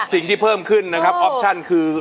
สิ่งที่เพิ่มขึ้นนะครับออปชั่นคือ